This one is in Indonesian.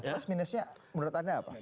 plus minusnya menurut anda apa